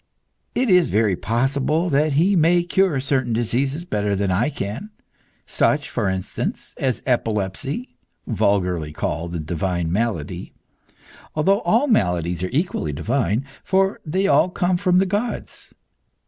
"It is very possible that he may cure certain diseases better than I can; such, for instance, as epilepsy, vulgarly called the divine malady, although all maladies are equally divine, for they all come from the gods.